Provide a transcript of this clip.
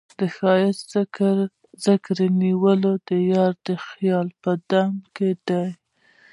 د ښــــــــایست ذکر یې نیولی د یار خیال یې دم ګړی دی